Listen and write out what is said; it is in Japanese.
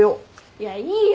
いやいいよ